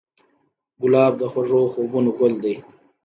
ګلاب د خوږو خوبونو ګل دی.